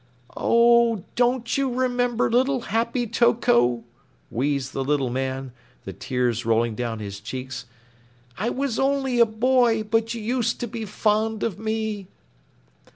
"Oh, don't you remember little Happy Toko?" wheezed the little man, the tears rolling down his cheeks. "I was only a boy, but you used to be fond of me."